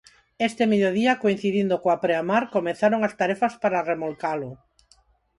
Este mediodía coincidindo coa preamar, comezaron as tarefas para remolcalo.